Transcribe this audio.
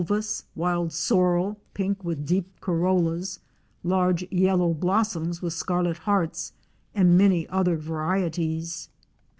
239 vulus; wild sorrel, pink with deep carollas; large yellow blos soms with scarlet hearts, and many other varicties.